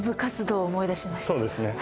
そうですね。